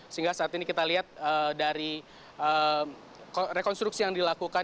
sehingga saat ini kita lihat dari rekonstruksi yang dilakukan